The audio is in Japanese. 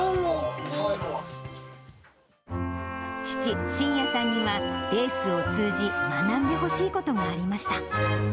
父、慎弥さんには、レースを通じ、学んでほしいことがありました。